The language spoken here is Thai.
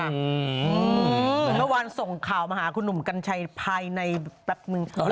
เมื่อวานส่งข่าวมาหาคุณหนุ่มกัญชัยภายในแป๊บนึง